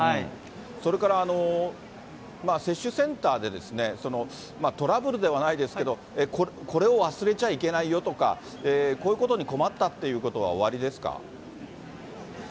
それから、接種センターでですね、トラブルではないですけど、これを忘れちゃいけないよとか、こういうことに困ったっていうことはおありですか？